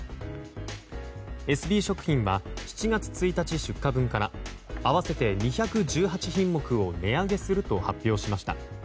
エスビー食品は７月１日出荷分から合わせて２１８品目を値上げすると発表しました。